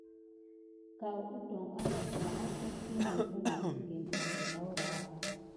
Ka adon anada agaɗɗa yi melipa metikini an katurhu kenani.